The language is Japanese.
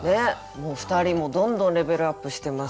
もう２人もどんどんレベルアップしてますし。